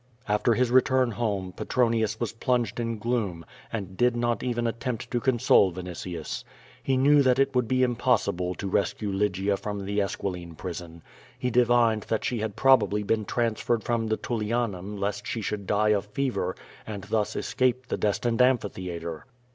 *' After his return home, Petronius was plunged in gloom, and did not even attempt to console Vinitius. He knew that it would be impossible to rescue Lygia from the Esquiline prison. He divined that she had probably been transferred from the Tullianum lest she should die of fever and thus es cape the destined amphitheatre.